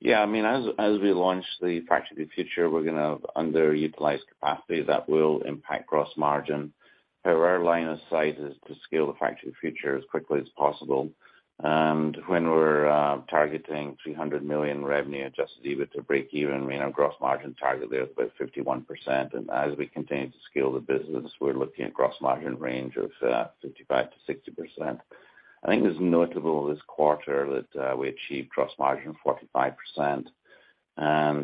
Speaker 4: Yeah, I mean, as we launch the Factory of the Future, we're gonna underutilize capacity that will impact gross margin. However, our line of sight is to scale the Factory of the Future as quickly as possible. When we're targeting $300 million revenue adjusted EBITDA to break even, I mean, our gross margin target there is about 51%. As we continue to scale the business, we're looking at gross margin range of 55%-60%. I think it's notable this quarter that we achieved gross margin 45%.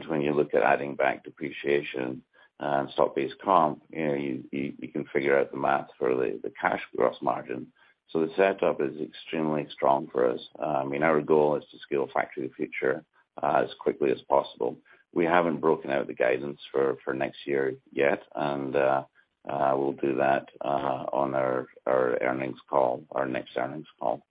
Speaker 4: When you look at adding back depreciation and stock-based comp, you know, you can figure out the math for the cash gross margin. The setup is extremely strong for us. I mean, our goal is to scale Factory of the Future as quickly as possible. We haven't broken out the guidance for next year yet, and we'll do that on our earnings call, our next earnings call.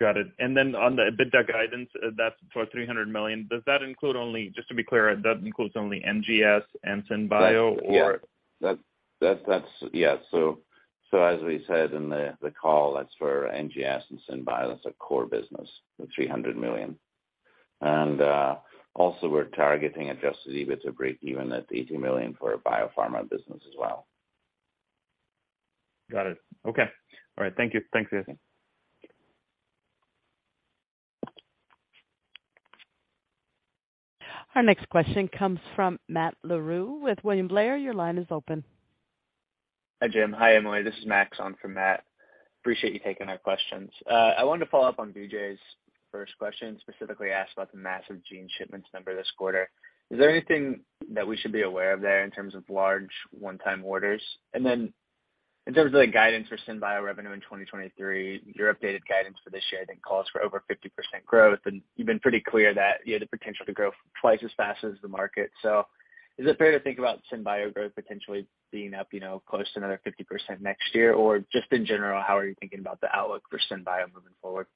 Speaker 8: Got it. Then on the EBITDA guidance, that's for $300 million. Does that include only, just to be clear, that includes only NGS and SynBio or?
Speaker 4: Yeah. As we said in the call, that's for NGS and SynBio, that's our core business, the $300 million. Also, we're targeting adjusted EBITDA to break even at $80 million for our Biopharma business as well.
Speaker 8: Got it. Okay. All right. Thank you. Thanks, Jim.
Speaker 1: Our next question comes from Matt Larew with William Blair. Your line is open.
Speaker 9: Hi, Jim. Hi, Emily. This is Max on from Matt. Appreciate you taking our questions. I wanted to follow up on Vijay's first question, specifically asked about the massive gene shipments number this quarter. Is there anything that we should be aware of there in terms of large one-time orders? In terms of the guidance for SynBio revenue in 2023, your updated guidance for this year I think calls for over 50% growth, and you've been pretty clear that you had the potential to grow twice as fast as the market. Is it fair to think about SynBio growth potentially being up, you know, close to another 50% next year? Or just in general, how are you thinking about the outlook for SynBio moving forward?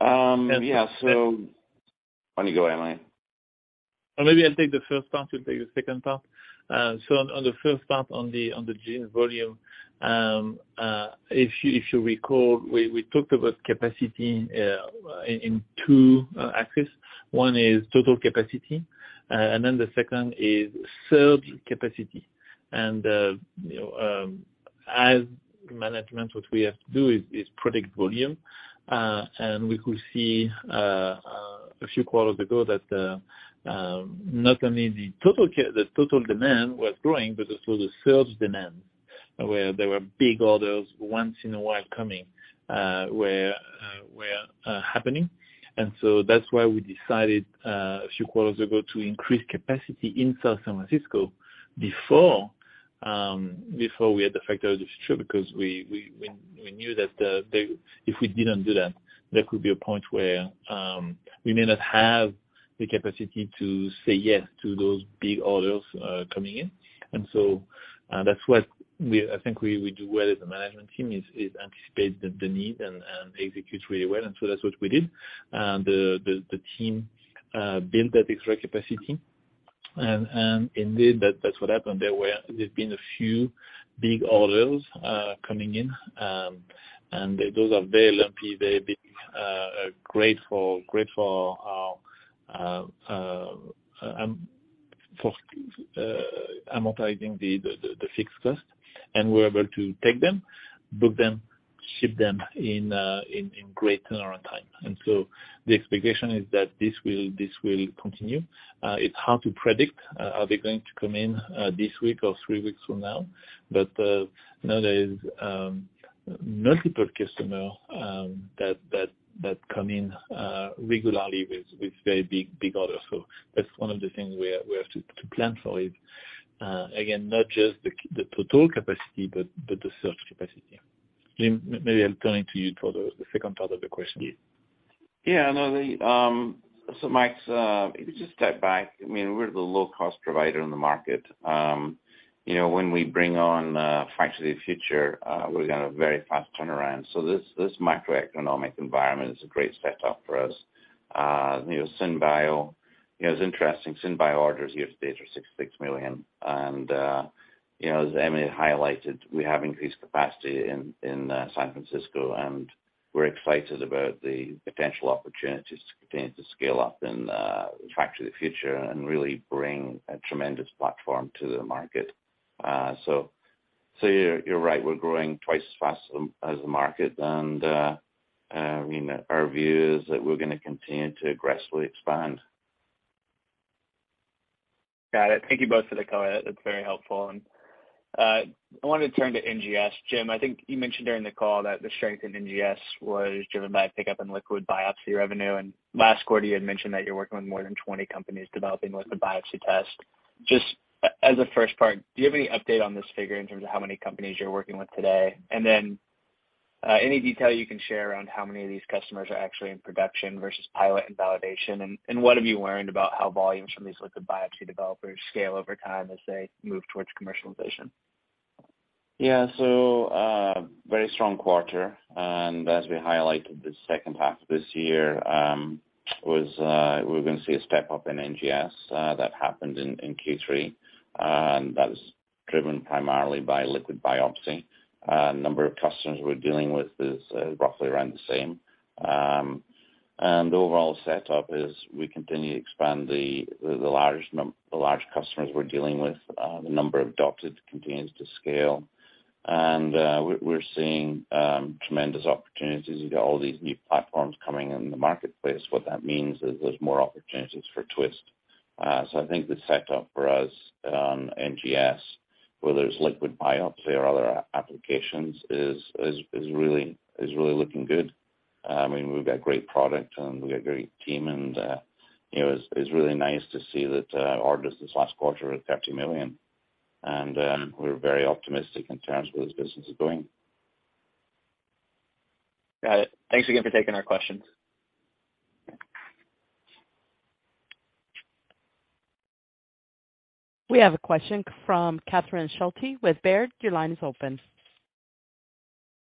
Speaker 4: Yeah. Why don't you go, Emily?
Speaker 3: Maybe I'll take the first part. You take the second part. On the first part on the gene volume, if you recall, we talked about capacity in two axes. One is total capacity, and then the second is served capacity. You know, as management, what we have to do is predict volume. We could see a few quarters ago that not only the total demand was growing, but this was a sales demand, where there were big orders once in a while coming, where happening. That's why we decided a few quarters ago to increase capacity in San Francisco before we had the Factory of the Future, because we knew that if we didn't do that, there could be a point where we may not have the capacity to say yes to those big orders coming in. That's what I think we do well as a management team is anticipate the need and execute really well. That's what we did. The team built extra capacity. Indeed, that's what happened. There's been a few big orders coming in, and those are very lumpy. They've been great for amortizing the fixed cost. We're able to take them, book them, ship them in great turnaround time. The expectation is that this will continue. It's hard to predict, are they going to come in this week or three weeks from now? Now there is multiple customer that come in regularly with very big orders. That's one of the things we have to plan for it. Again, not just the total capacity, but the surge capacity. Jim, maybe I'll turn it to you for the second part of the question.
Speaker 4: Max, if you just step back, I mean, we're the low cost provider in the market. You know, when we bring on Factory of the Future, we're gonna have very fast turnaround. This macroeconomic environment is a great setup for us. You know, SynBio, you know, it's interesting, SynBio orders year to date are $6 million. You know, as Emily highlighted, we have increased capacity in San Francisco, and we're excited about the potential opportunities to continue to scale up in Factory of the Future and really bring a tremendous platform to the market. You're right, we're growing twice as fast as the market. I mean, our view is that we're gonna continue to aggressively expand.
Speaker 9: Got it. Thank you both for the color. That's very helpful. I wanted to turn to NGS. Jim, I think you mentioned during the call that the strength in NGS was driven by a pickup in liquid biopsy revenue. Last quarter you had mentioned that you're working with more than 20 companies developing liquid biopsy tests. Just as a first part, do you have any update on this figure in terms of how many companies you're working with today? Any detail you can share around how many of these customers are actually in production versus pilot and validation. What have you learned about how volumes from these liquid biopsy developers scale over time as they move towards commercialization?
Speaker 4: Yeah. Very strong quarter. As we highlighted, the second half of this year, we're gonna see a step up in NGS that happened in Q3, and that was driven primarily by liquid biopsy. Number of customers we're dealing with is roughly around the same. Overall setup is we continue to expand the large customers we're dealing with. The number of adopters continues to scale. We're seeing tremendous opportunities. You got all these new platforms coming in the marketplace. What that means is there's more opportunities for Twist. I think the setup for us on NGS, whether it's liquid biopsy or other applications is really looking good. I mean, we've got great product and we've got great team and, you know, it's really nice to see that orders this last quarter are $30 million. We're very optimistic in terms of where this business is going.
Speaker 9: Got it. Thanks again for taking our questions.
Speaker 1: We have a question from Catherine Schulte with Baird. Your line is open.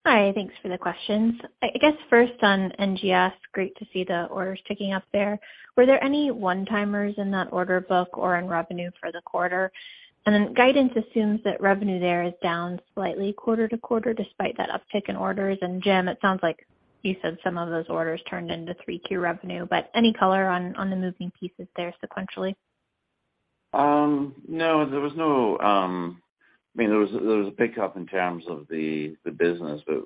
Speaker 10: Hi. Thanks for the questions. I guess first on NGS, great to see the orders picking up there. Were there any one-timers in that order book or in revenue for the quarter? Then guidance assumes that revenue there is down slightly quarter to quarter despite that uptick in orders. Jim, it sounds like you said some of those orders turned into 3Q revenue, but any color on the moving pieces there sequentially?
Speaker 4: I mean, there was a pickup in terms of the business, but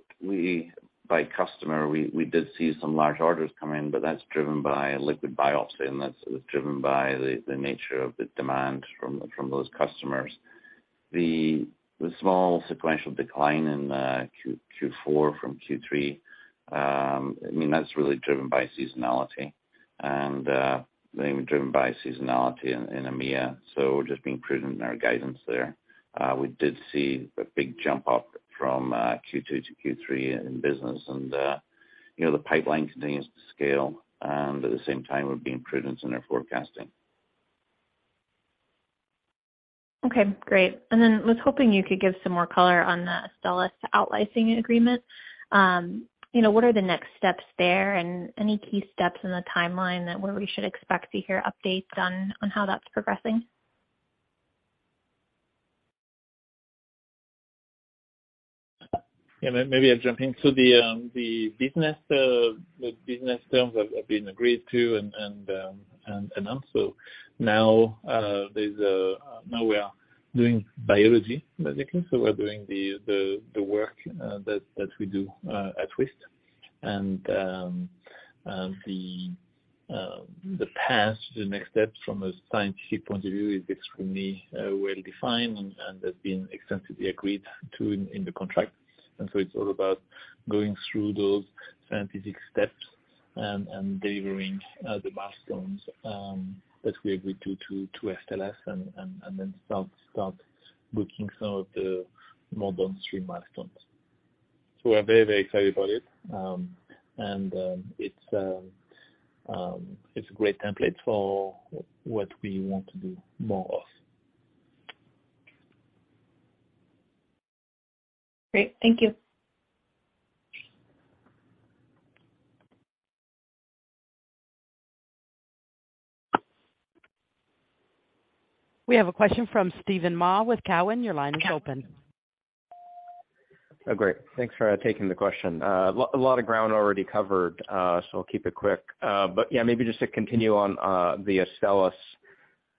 Speaker 4: by customer, we did see some large orders come in, but that's driven by liquid biopsy and that's driven by the nature of the demand from those customers. The small sequential decline in Q4 from Q3, I mean, that's really driven by seasonality and mainly driven by seasonality in EMEA. We're just being prudent in our guidance there. We did see a big jump up from Q2 to Q3 in business and, you know, the pipeline continues to scale and at the same time we're being prudent in our forecasting.
Speaker 10: Okay, great. I was hoping you could give some more color on the Astellas out licensing agreement. You know, what are the next steps there? And any key steps in the timeline that, where we should expect to hear updates on how that's progressing? Yeah. Maybe I'll jump in. The business terms have been agreed to and announced. Now we are doing biology, basically. We're doing the work that we do at Twist. The path to the next steps from a scientific point of view is extremely well-defined and has been extensively agreed to in the contract.
Speaker 3: It's all about going through those scientific steps and delivering the milestones that we agreed to Astellas and then start booking some of the more downstream milestones. We're very excited about it. It's a great template for what we want to do more of.
Speaker 10: Great. Thank you.
Speaker 1: We have a question from Steven Mah with Cowen. Your line is open.
Speaker 11: Oh, great. Thanks for taking the question. A lot of ground already covered, so I'll keep it quick. But yeah, maybe just to continue on the Astellas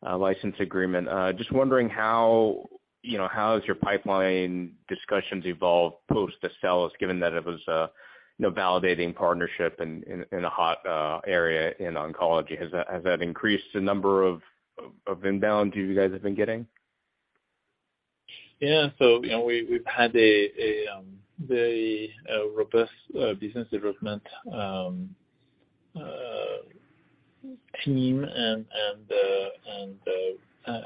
Speaker 11: license agreement. Just wondering how, you know, how has your pipeline discussions evolved post Astellas, given that it was, you know, validating partnership in a hot area in oncology. Has that increased the number of inbound deals you guys have been getting?
Speaker 3: Yeah. So, you know, we've had a very robust business development team and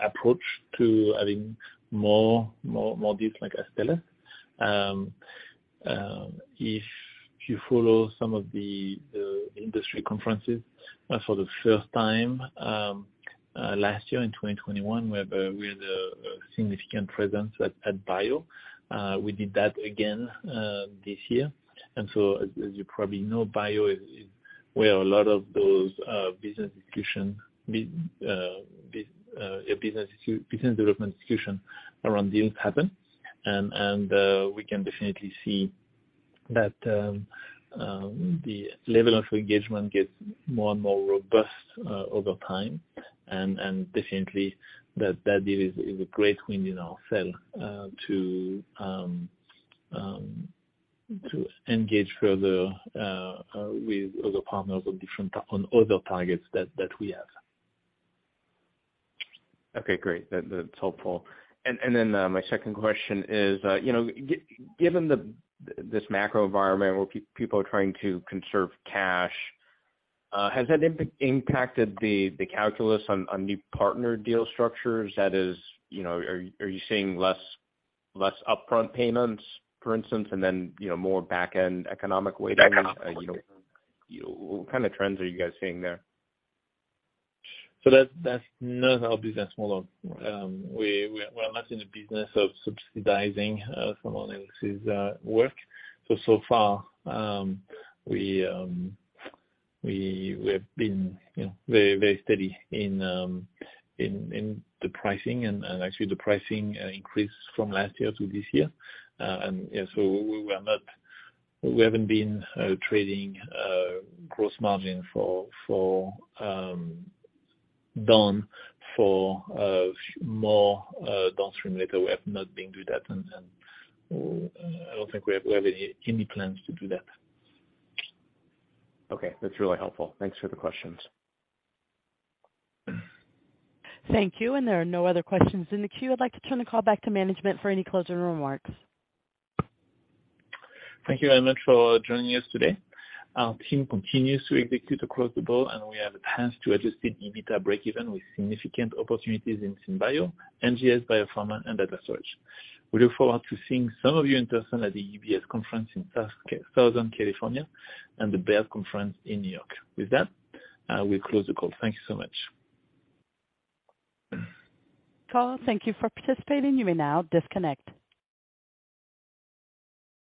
Speaker 3: approach to adding more deals like Astellas. If you follow some of the industry conferences, for the first time last year in 2021, we had a significant presence at BIO. We did that again this year. As you probably know, BIO is where a lot of those business development discussions around deals happen. We can definitely see that the level of engagement gets more and more robust over time. Definitely that deal is a great win in itself to engage further with other partners on other targets that we have.
Speaker 11: Okay, great. That's helpful. My second question is, you know, given this macro environment where people are trying to conserve cash, has that impacted the calculus on new partner deal structures? That is, you know, are you seeing less upfront payments, for instance, and then, you know, more back-end economic weightings? You know, what kind of trends are you guys seeing there?
Speaker 3: That's not our business model. We're not in the business of subsidizing someone else's work. So far, we have been, you know, very steady in the pricing and actually the pricing increased from last year to this year. We haven't been trading gross margin for more downstream later. We have not been doing that. I don't think we have any plans to do that.
Speaker 11: Okay. That's really helpful. Thanks for the questions.
Speaker 1: Thank you. There are no other questions in the queue. I'd like to turn the call back to management for any closing remarks.
Speaker 3: Thank you very much for joining us today. Our team continues to execute across the board, and we have a path to adjusted EBITDA breakeven with significant opportunities in SynBio, NGS Biopharma, and Data Storage. We look forward to seeing some of you in person at the UBS conference in Southern California and the Baird conference in New York. With that, I will close the call. Thank you so much.
Speaker 1: Callers, thank you for participating. You may now disconnect.